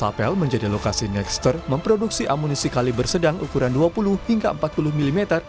tapel menjadi lokasi nextre memproduksi amunisi kaliber sedang ukuran dua puluh hingga empat puluh mm